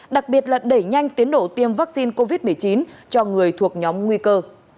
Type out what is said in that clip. đặc biệt là đẩy nhanh tiến độ tiêm vaccine covid một mươi chín cho người thuộc nhóm nguy cơ